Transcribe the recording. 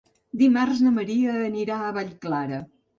Dimarts na Maria anirà a Vallclara.